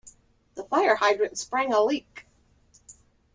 The fire hydrant sprang a leak.